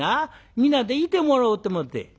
皆でいてもろうと思って」。